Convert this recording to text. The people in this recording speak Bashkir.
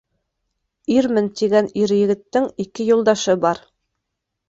Ирмен тигән ир-егеттең ике юлдашы бар: